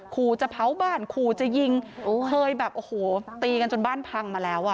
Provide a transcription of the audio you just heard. ขู่จะเผาบ้านขู่จะยิงเคยแบบโอ้โหตีกันจนบ้านพังมาแล้วอ่ะ